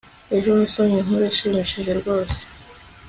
ejo, nasomye inkuru ishimishije rwose